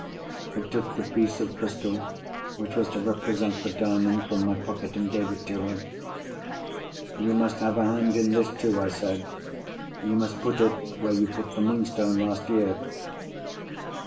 I took the piece of crystal which was to represent the Diamond from my pocket, and gave it to her. "You must have a hand in this, too," I said. "You must put it where you put the Moonstone last year."